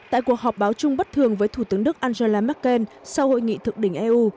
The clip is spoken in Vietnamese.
tại cuộc họp báo chung bất thường với thủ tướng đức angela merkel sau hội nghị thượng đỉnh eu